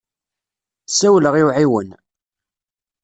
Ssawleɣ i uɛiwen.